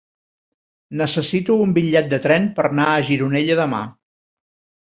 Necessito un bitllet de tren per anar a Gironella demà.